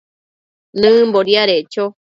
nëmbo diadeccho